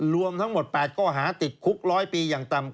รวมทั้งหมด๘ข้อหาติดคุก๑๐๐ปีอย่างต่ำ